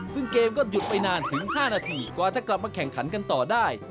ซึ่งเกมก็หยุดไปนานถึง๕นาทีกว่าจะกลับมาแข่งขันกันต่อได้